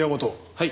はい。